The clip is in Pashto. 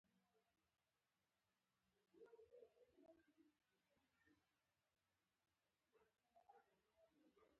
د میرزا منان کاکو راډیو نېشن جاپانۍ وه.